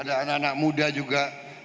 ada anak anak muda juga